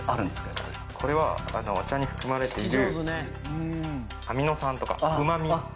やっぱりこれはお茶に含まれているアミノ酸とかうまみですね